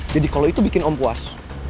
jadi kalau itu bikin om puas